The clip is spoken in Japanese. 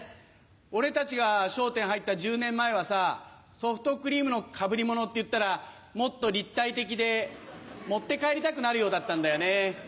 俺たちが『笑点』入った１０年前はさソフトクリームのかぶり物っていったらもっと立体的で持って帰りたくなるようだったんだよね。